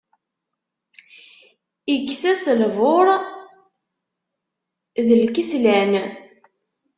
Ikkes-as lbur d lkeslan.